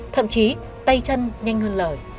thậm chí tay chân nhanh hơn lời